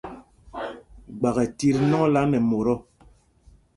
Gbak ɛ tit nɔŋla nɛ mot ɔ̂.